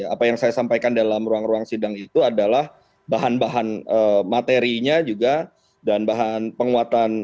apa yang saya sampaikan dalam ruang ruang sidang itu adalah bahan bahan materinya juga dan bahan penguatan